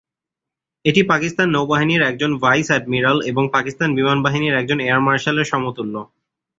এটি পাকিস্তান নৌবাহিনীর একজন ভাইস অ্যাডমিরাল এবং পাকিস্তান বিমান বাহিনীর একজন এয়ার মার্শালের সমতুল্য।